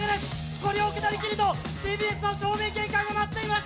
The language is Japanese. これを下りきるとＴＢＳの正面玄関となっています。